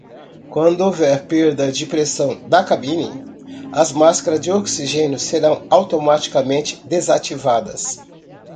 Quando houver perda de pressão da cabine?, as máscaras de oxigênio serão automaticamente desativadas.